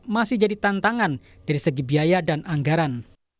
masih jadi tantangan dari segi biaya dan anggaran